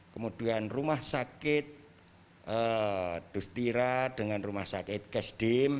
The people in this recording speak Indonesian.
kemudian rumah sakit dustira dengan rumah sakit kesdim